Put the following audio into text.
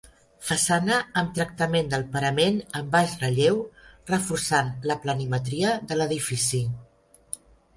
Façana amb tractament del parament en baix relleu reforçant la planimetria de l'edifici.